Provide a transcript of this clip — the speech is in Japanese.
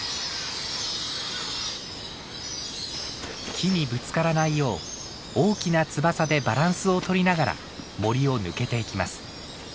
木にぶつからないよう大きな翼でバランスを取りながら森を抜けていきます。